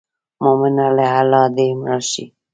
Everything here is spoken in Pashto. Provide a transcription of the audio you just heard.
مومنه له الله دې مل شي.